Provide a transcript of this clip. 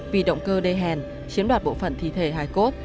vì động cơ đê hèn chiếm đoạt bộ phận thi thể hải cốt